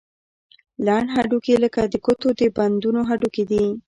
لنډ هډوکي لکه د ګوتو د بندونو هډوکي دي.